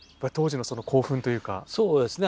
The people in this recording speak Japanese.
そうですね